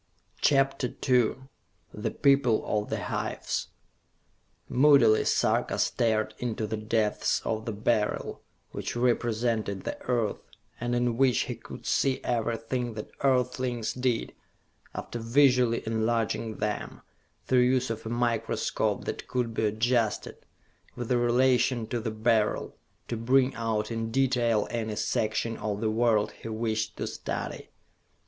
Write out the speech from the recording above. CHAPTER II The People of the Hives Moodily Sarka stared into the depths of the Beryl, which represented the Earth, and in which he could see everything that earthlings did, after visually enlarging them, through use of a microscope that could be adjusted, with relation to the Beryl, to bring out in detail any section of the world he wished to study.